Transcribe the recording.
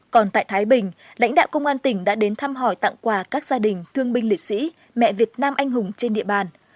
còn tại thái bình lãnh đạo công an tỉnh đã đến thăm hỏi tặng quà các gia đình thương binh liệt sĩ mẹ việt nam anh hùng trên địa bàn